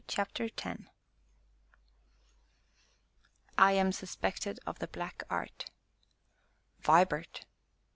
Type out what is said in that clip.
CHAPTER X I AM SUSPECTED OF THE BLACK ART "Vibart!"